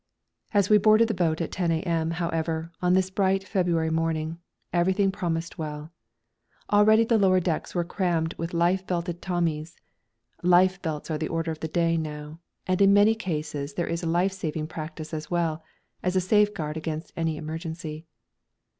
As we boarded the boat at 10 A.M., however, on this bright February morning, everything promised well. Already the lower decks were crammed with life belted Tommies. Life belts are the order of the day now, and in many cases there is life saving practice as well, as a safeguard against any emergency.